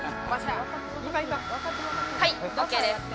はい、ＯＫです。